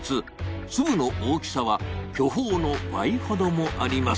粒の大きさは巨峰の倍ほどもあります。